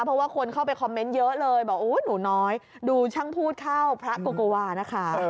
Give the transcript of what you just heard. เพราะว่าคนเข้าไปคอมเมนต์เยอะเลยบอกโอ้หนูน้อยดูช่างพูดเข้าพระโกโกวานะคะ